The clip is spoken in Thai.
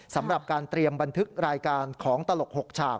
สำหรับการเตรียมบันทึกรายการของตลก๖ฉาก